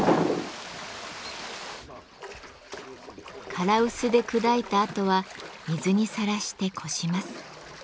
唐臼で砕いたあとは水にさらして濾します。